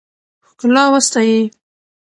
ښکلا وستایئ.